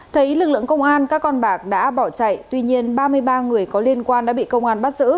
thấy lực lượng công an các con bạc đã bỏ chạy tuy nhiên ba mươi ba người có liên quan đã bị công an bắt giữ